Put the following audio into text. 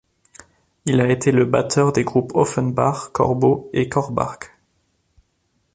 Il a été le batteur des groupes Offenbach, Corbeau et Corbach.